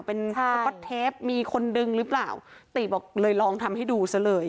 เป็นสก๊อตเทปมีคนดึงหรือเปล่าติบอกเลยลองทำให้ดูซะเลย